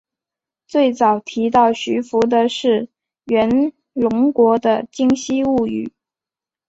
最早提到徐福的是源隆国的今昔物语。